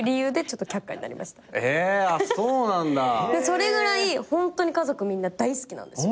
それぐらいホントに家族みんな大好きなんですよ。